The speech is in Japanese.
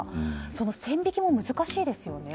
その線引きも難しいですよね。